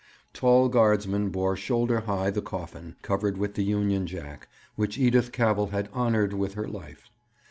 Tall Guardsmen bore shoulder high the coffin, covered with the Union Jack, which Edith Cavell had honoured with her life.